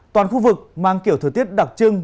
toàn khu vực mang kiểu thời tiết đặc trưng